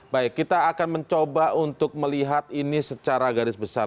baik kita akan mencoba untuk melihat ini secara garis besar